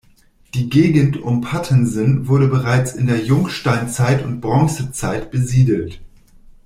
Die Gegend um Pattensen wurde bereits in der Jungsteinzeit und Bronzezeit besiedelt.